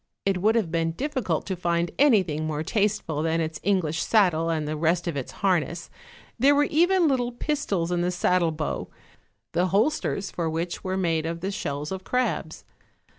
It would have been difficult to find anything more tasteful than its English saddle and the rest of its harness; there were even little pistols in the saddle bow, the holsters for which were made of the shells of crabs.